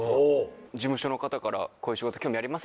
事務所の方から「こういう仕事興味ありませんか？」